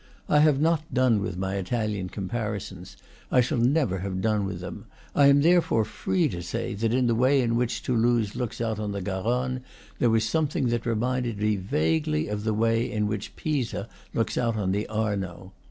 I have not done with my Italian comparisons; I shall never have done with them. I am therefore free to say that in the way in which Toulouse looks out on the Garonne there was something that reminded me vaguely of the way in which Pisa looks out on the Arno.